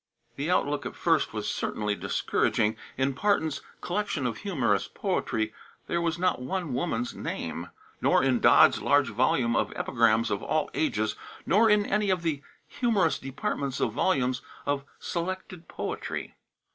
The outlook at first was certainly discouraging. In Parton's "Collection of Humorous Poetry" there was not one woman's name, nor in Dodd's large volume of epigrams of all ages, nor in any of the humorous departments of volumes of selected poetry.